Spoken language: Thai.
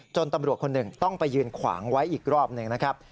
ตำรวจคนหนึ่งต้องไปยืนขวางไว้อีกรอบหนึ่งนะครับ